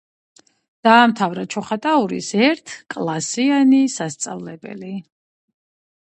დაამთავრა ჩოხატაურის ერთკლასიანი სასწავლებელი.